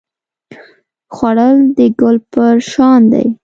خوړل د ګل پر شان دی